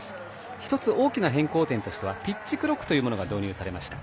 １つ、大きな変更点はピッチクロックというものが導入されました。